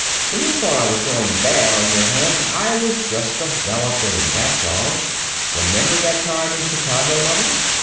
When you thought I was going bad on your hands I was just developing, that's all. Remember that time in Chicago, Mother?"